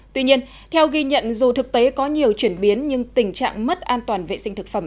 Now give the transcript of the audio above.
tuy nhiên theo ghi nhận dù thực tế có nhiều chuyển biến nhưng tình trạng mất an toàn vệ sinh thực phẩm